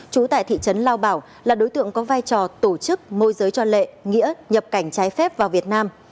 trú tại thị trấn lao bảo là đối tượng có vai trò tổ chức môi giới cho lệ nghĩa nhập cảnh trái phép vào việt nam